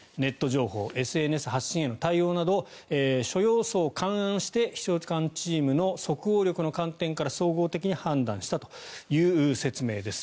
情報ＳＮＳ発信への対応など諸要素を勘案して秘書官チームの即応力の観点から総合的に判断したという説明です。